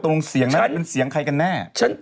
ลูกตรงเสียงน่ะเป็นเสียงใครกันแน่